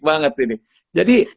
banget ini jadi